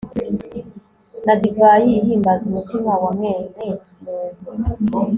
na divayi ihimbaza umutima wa mwene muntu